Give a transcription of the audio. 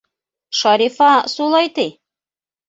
Шарифа сулай ти!